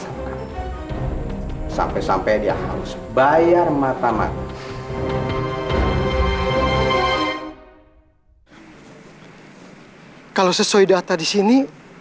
ngapain mereka disini